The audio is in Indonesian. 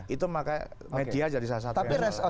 itu makanya media jadi salah satu